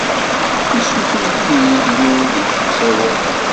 Yessuter-ik-id yiwen deg usawal.